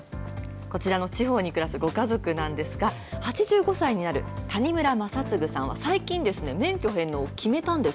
こちらの地方に暮らすご家族なんですが８５歳になる谷村政嗣さんは最近ですね免許返納を決めたんです。